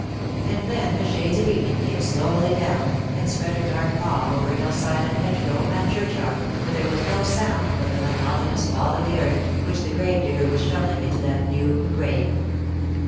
And then the shades of evening came slowly down, and spread a dark pall over hill side, and hedgerow, and churchyard, where there was no sound but the monotonous fall of the earth, which the grave digger was shovelling into that new grave.